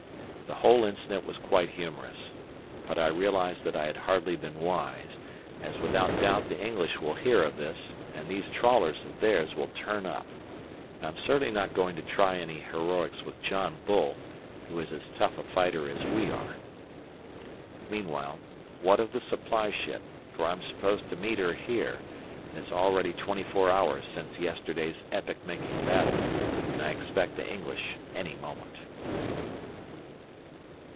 The whole incident was quite humorous, but I realized that I had hardly been wise, as without doubt the English will hear of this, and these trawlers of theirs will turn up, and I'm certainly not going to try any heroics with John Bull, who is as tough a fighter as we are. Meanwhile, what of the supply ship, for I'm supposed to meet her here, and it's already twenty four hours since yesterday's epoch making battle and I expect the English any moment.